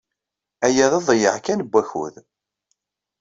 Aya d aḍeyyeɛ kan n wakud.